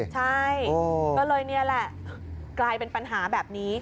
ใช่ก็เลยนี่แหละกลายเป็นปัญหาแบบนี้